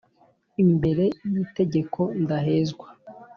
imbere y’itegeko ndahezwa,